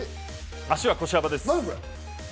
足は腰幅です。